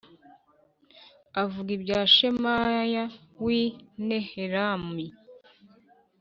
avuga ibya Shemaya w i Nehelami